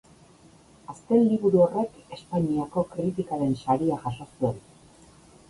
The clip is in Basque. Azken liburu horrek Espainiako Kritikaren Saria jaso zuen.